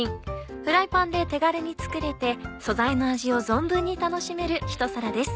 フライパンで手軽に作れて素材の味を存分に楽しめるひと皿です。